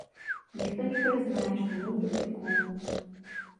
Ніхто не прызнае, што мы ў тупіку.